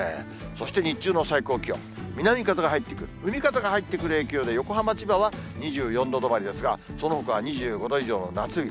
そして日中の最高気温、南風が入ってくる、海風が入ってくる影響で、横浜、千葉は２４度止まりですが、そのほかは２５度以上の夏日。